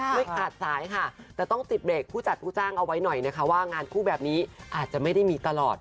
ไม่ขาดสายค่ะแต่ต้องติดเบรกผู้จัดผู้จ้างเอาไว้หน่อยนะคะว่างานคู่แบบนี้อาจจะไม่ได้มีตลอด